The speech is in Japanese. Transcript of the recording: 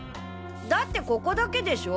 だってここだけでしょ？